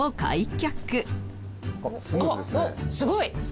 すごい！